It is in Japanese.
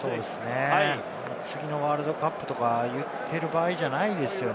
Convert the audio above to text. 次のワールドカップとか言っている場合じゃないですよね。